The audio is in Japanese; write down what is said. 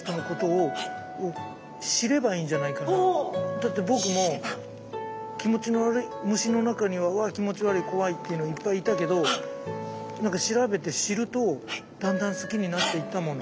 だって僕も気持ちの悪い虫の中にはわ気持ち悪い怖いっていうのいっぱいいたけど何か調べて知るとだんだん好きになっていったもの。